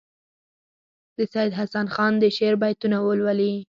د سیدحسن خان د شعر بیتونه ولولي.